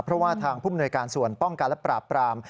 เพราะว่าทางผู้มนวยการส่วนป้องกันและปราบปราม